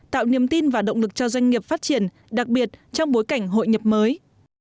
tạo niềm tin và động lực cho doanh nghiệp phát triển đặc biệt trong bối cảnh hội nhập mới